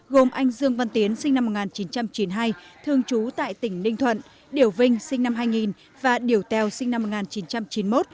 gồm anh dương văn tiến sinh năm một nghìn chín trăm chín mươi hai thường trú tại tỉnh ninh thuận điểu vinh sinh năm hai nghìn và điểu tèo sinh năm một nghìn chín trăm chín mươi một